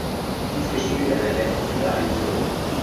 Dies geschieht durch eine elektrophile Addition.